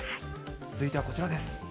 続いてはこちらです。